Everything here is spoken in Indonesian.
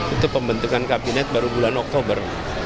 itu pembentukan kabinet baru bulan oktober